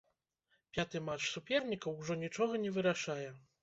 Пяты матч супернікаў ужо нічога не вырашае.